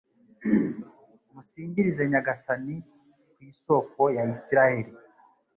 musingirize Nyagasani ku isoko ya Israheli